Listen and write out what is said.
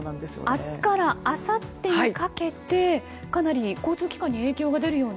明日からあさってにかけてかなり交通機関に影響が出ると。